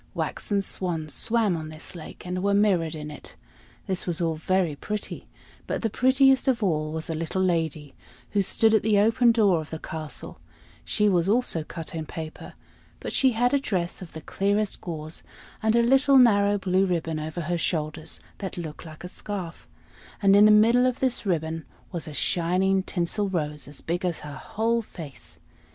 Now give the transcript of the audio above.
Waxen swans swam on this lake, and were mirrored in it. This was all very pretty; but the prettiest of all was a little lady, who stood at the open door of the castle; she was also cut out in paper, but she had a dress of the clearest gauze, and a little narrow blue ribbon over her shoulders, that looked like a scarf; and in the middle of this ribbon was a shining tinsel rose as big as her whole face.